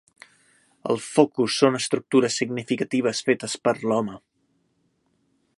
El focus són estructures significatives fetes per l'home.